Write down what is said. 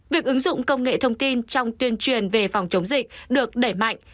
việc ứng dụng công nghệ thông tin trong tuyên truyền về phòng chống dịch được đẩy mạnh